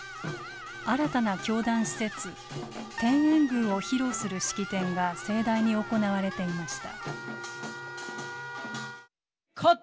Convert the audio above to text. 新たな教団施設天苑宮を披露する式典が盛大に行われていました。